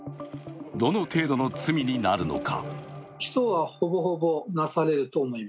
どの程度の罪になるのか？